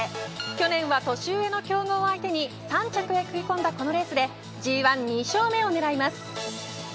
去年は年上の強豪を相手に３着へ食い込んだこのレースでＧ１、２勝目を狙います。